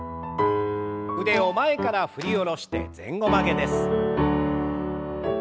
腕を前から振り下ろして前後曲げです。